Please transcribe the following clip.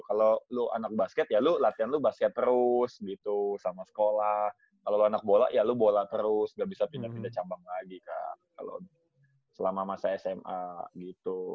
kalau lo anak basket ya lu latihan lo basket terus gitu sama sekolah kalau lo anak bola ya lu bola terus gak bisa pindah pindah cabang lagi kan kalau selama masa sma gitu